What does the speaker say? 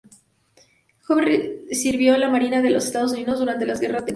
Jones sirvió en la Marina de los Estados Unidos durante la Guerra de Corea.